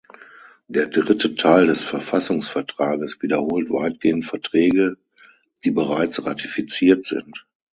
Der dritte Teil des Verfassungsvertrages wiederholt weitgehend Verträge, die bereits ratifiziert sind.